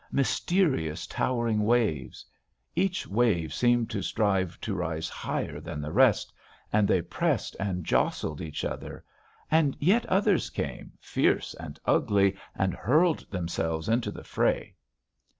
Mysterious towering waves. Each wave seemed to strive to rise higher than the rest; and they pressed and jostled each other and yet others came, fierce and ugly, and hurled themselves into the fray.